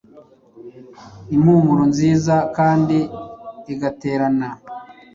impumuro nziza kandi igaterana